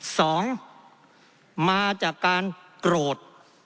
สองมาจากการโกรธ